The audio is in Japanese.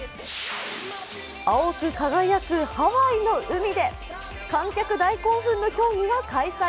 青く輝くハワイの海で観客大興奮の競技が開催。